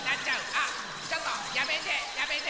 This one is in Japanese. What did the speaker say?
あちょっとやめてやめて。